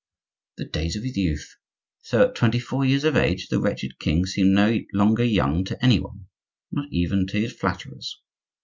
The days of his youth! so at twenty four years of age the wretched king seemed no longer young to any one, not even to his flatterers!